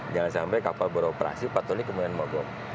jangan sampai kapal beroperasi patolik kemudian mogok